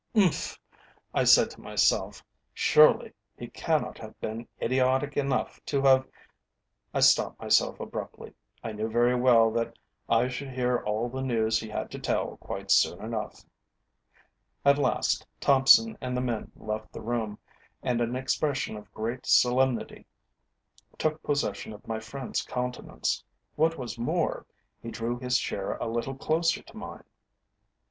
"Umph!" I said to myself, "surely he cannot have been idiotic enough to have " I stopped myself abruptly. I knew very well that I should hear all the news he had to tell quite soon enough. At last Thompson and the men left the room, and an expression of great solemnity took possession of my friend's countenance. What was more, he drew his chair a little closer to mine.